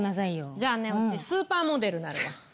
じゃあねうちスーパーモデルなるわ。